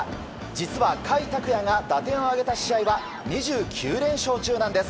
実は、甲斐拓也が打点を挙げた試合は２９連勝中なんです。